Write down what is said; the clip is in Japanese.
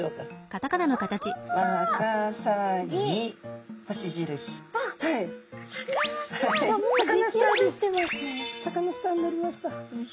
サカナスターになりました。